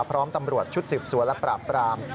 พร้อมตำรวจชุดสืบสวนและปราบปราม